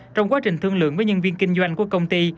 trong quá trình thương lượng với nhân viên kinh doanh của công ty